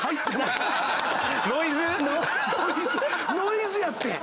ノイズ⁉ノイズやってん。